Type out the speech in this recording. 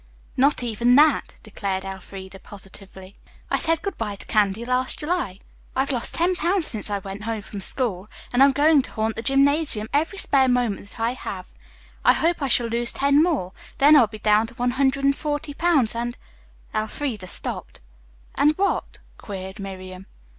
"Not even that," declared Elfreda positively. "I said good bye to candy last July. I've lost ten pounds since I went home from school, and I'm going to haunt the gymnasium every spare moment that I have. I hope I shall lose ten more; then I'll be down to one hundred and forty pounds and " Elfreda stopped. "And what?" queried Miriam.